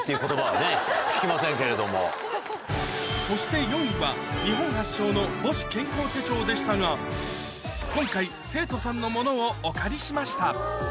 そして４位は日本発祥の母子健康手帳でしたが今回生徒さんのものをお借りしました